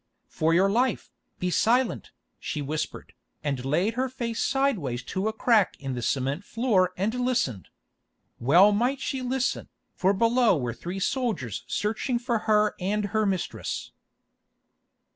"For your life, be silent," she whispered, and laid her face sideways to a crack in the cement floor and listened. Well might she listen, for below were three soldiers searching for her and her mistress.